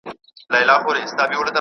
لمر اندورفین هم زیاتوي.